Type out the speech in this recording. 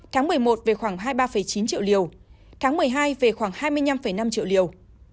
tháng một mươi một về khoảng hai mươi ba chín triệu liều tháng một mươi hai về khoảng hai mươi năm năm triệu liều